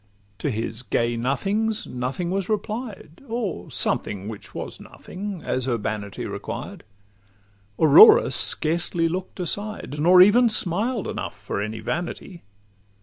To his gay nothings, nothing was replied, Or something which was nothing, as urbanity Required. Aurora scarcely look'd aside, Nor even smiled enough for any vanity.